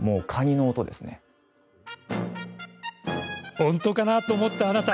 本当かなと思った、あなた。